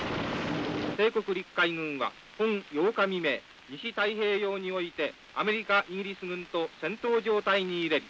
「帝国陸海軍は本８日未明西太平洋においてアメリカイギリス軍と戦闘状態に入れり。